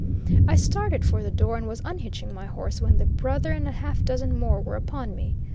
I started for the door, and was unhitching my horse, when the brother and a half dozen more were upon me.